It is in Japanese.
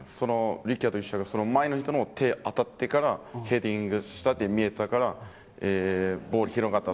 力也と一緒で前の人の手が当たってから、ヘディングをしたって見えたから、ボール拾わなかった。